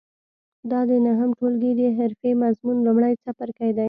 دا د نهم ټولګي د حرفې مضمون لومړی څپرکی دی.